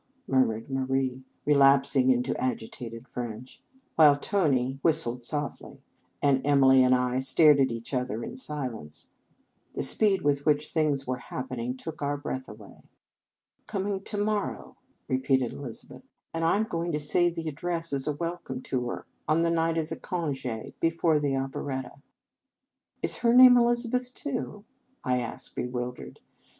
murmured Marie, relaps ing into agitated French; while Tony whistled softly, and Emily and I stared at each other in silence. The speed with which things were happening took our breath away. " Coming to morrow," repeated Elizabeth; "and I m going to say the address as a welcome to her, on the night of the conge, before the operetta." "Is her name Elizabeth, too?" I asked, bewildered.